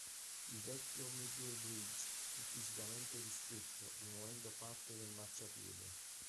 Il vecchio Medway Bridge fu fisicamente ristretto rimuovendo parte del marciapiede.